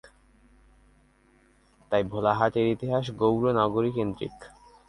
তাই ভোলাহাট-এর ইতিহাস গৌড় নগরী-কেন্দ্রীক।